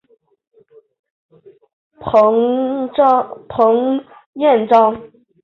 彭彦章。